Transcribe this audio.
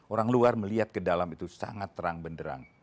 orang luar melihat ke dalam itu sangat terang benderang